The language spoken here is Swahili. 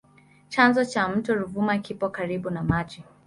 Chanzo cha mto Ruvuma kipo karibu na mji.